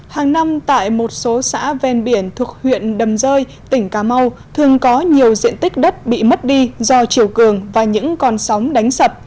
hàng năm tại một số xã ven biển thuộc huyện đầm rơi tỉnh cà mau thường có nhiều diện tích đất bị mất đi do chiều cường và những con sóng đánh sập